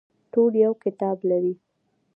ټول یو کتاب لري